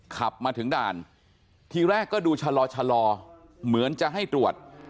ขับมาถึงด่านทีแรกก็ดูชะลอชะลอเหมือนจะให้ตรวจ